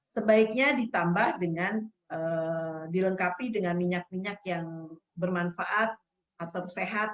sebaiknya ditambah dengan dilengkapi dengan minyak minyak yang bermanfaat atau sehat